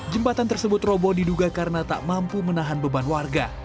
jembatan tersebut roboh diduga karena tak mampu menahan beban warga